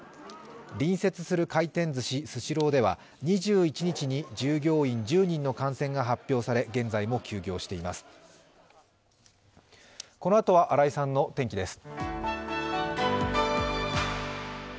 隣接する回転ずし、スシローでは２１日に従業員１０人の感染が発表され現在も休業しています。